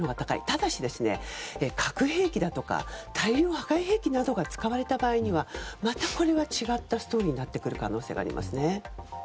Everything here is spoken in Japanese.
ただ、核兵器だとか大量破壊兵器が使われた場合またこれは違ったストーリーになっていく可能性があります。